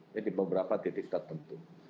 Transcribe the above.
jadi di beberapa titik tertentu